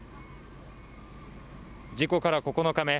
事故から９日目。